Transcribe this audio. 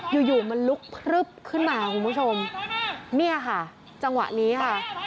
อยู่อยู่มันลุกพลึบขึ้นมาคุณผู้ชมเนี่ยค่ะจังหวะนี้ค่ะ